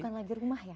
bukan lagi rumah ya